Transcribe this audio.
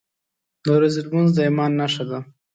• د ورځې لمونځ د ایمان نښه ده.